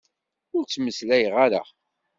Ur ttmeslay ara!